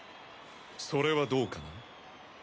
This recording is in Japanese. それはどうかな。